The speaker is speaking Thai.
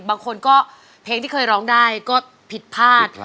บางคนก็เพลงที่เคยร้องได้ก็ผิดพลาด